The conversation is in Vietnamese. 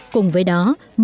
cùng với đó